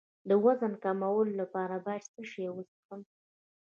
د وزن کمولو لپاره باید څه شی وڅښم؟